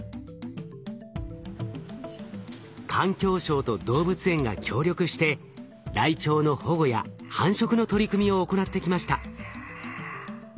環境省と動物園が協力してライチョウの保護や繁殖の取り組みを行ってきました。